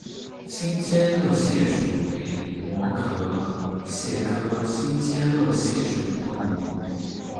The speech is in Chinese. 新尖额蟹属为膜壳蟹科新尖额蟹属的动物。